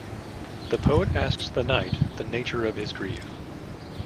The poet asks the knight the nature of his grief.